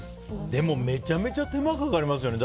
でも、めちゃめちゃ手間がかかりますよね。